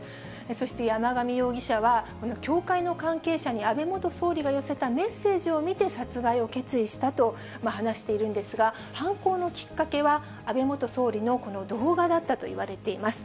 そして山上容疑者は、この教会の関係者に安倍元総理が寄せたメッセージを見て、殺害を決意したと話しているんですが、犯行のきっかけは、安倍元総理のこの動画だったといわれています。